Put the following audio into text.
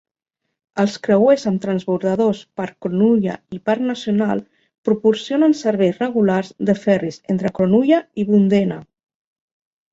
Els creuers amb transbordadors per Cronulla i Parc Nacional proporcionen serveis regulars de ferris entre Cronulla i Bundeena.